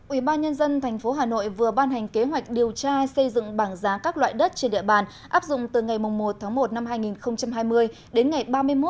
ủy ban nhân dân tp hà nội vừa ban hành kế hoạch điều tra xây dựng bảng giá các loại đất trên địa bàn áp dụng từ ngày một một hai nghìn hai mươi đến ngày ba mươi một một mươi hai hai nghìn hai mươi bốn